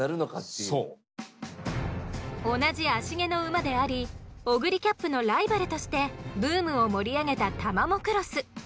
同じ芦毛の馬でありオグリキャップのライバルとしてブームを盛り上げたタマモクロス。